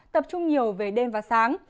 tập trung nhiều về đêm và sáng